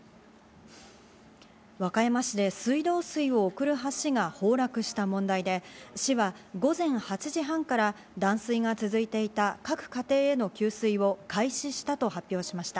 和歌山市で水道水を送る橋が崩落した問題で市は午前８時半から断水が続いていた各家庭への給水を開始したと発表しました。